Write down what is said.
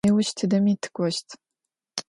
Nêuş tıdemi tık'oşt.